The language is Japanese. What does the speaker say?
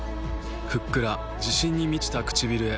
ふっくら自信に満ちた唇へ。